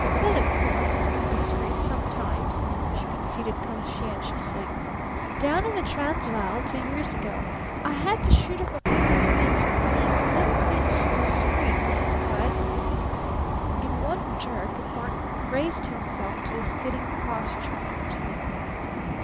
Men, of course, are indiscreet sometimes," she conceded conscientiously. "Down in the Transvaal two years ago, I had to shoot up a couple of men for being a little bit indiscreet, but " In one jerk Barton raised himself to a sitting posture.